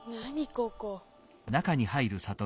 ここ。